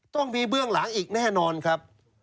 ต้องมีเบื้องหลังอีกแน่นอนครับ